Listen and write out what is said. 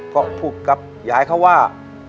ก็พูดกับยายเขาว่า